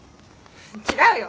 違うよ！